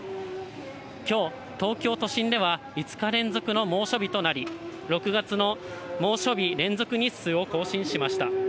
きょう、東京都心では５日連続の猛暑日となり、６月の猛暑日連続日数を更新しました。